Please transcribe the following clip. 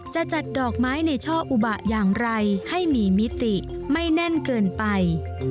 จะจัดดอกไม้ในช่ออุบะอย่างไรให้มีมิติไม่แน่นเกินไป